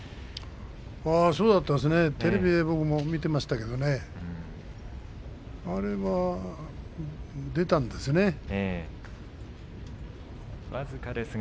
そうだったですねテレビで僕も見てましたけどねあれは出たんですね。